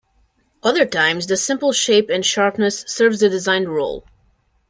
Other times, the simple shape and sharpness serves the designed role.